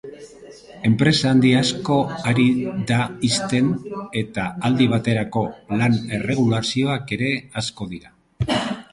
Enpresa handi asko ari da ixten eta aldi baterako lan-erregulazioak ere asko dira.